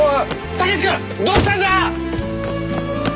武志君どうしたんだ！？